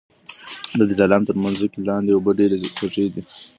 د دلارام تر مځکې لاندي اوبه ډېري خوږې دي